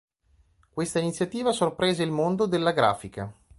Questa iniziativa sorprese il mondo della grafica.